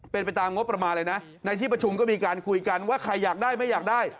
เป็นไปตามงบประมาณเลยนะในที่ประชุมก็มีการคุยกันว่าใครอยากได้ไม่อยากได้